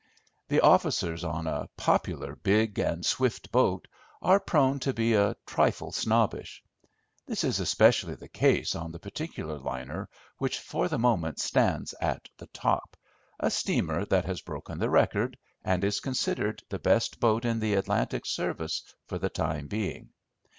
The officers on a popular big and swift boat are prone to be a trifle snobbish. This is especially the case on the particular liner which for the moment stands at the top—a steamer that has broken the record, and is considered the best boat in the Atlantic service for the time being.